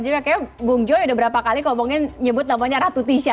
kayaknya bung joy sudah berapa kali nyebut namanya ratu tisa